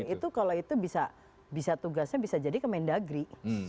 itu kalau itu bisa tugasnya bisa jadi kemendagri